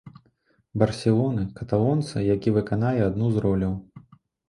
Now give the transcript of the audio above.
Барселоны, каталонца, які выканае адну з роляў.